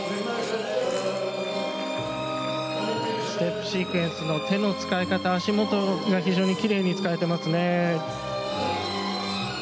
ステップシークエンスの手の使い方足元が非常にきれいに使えていますね。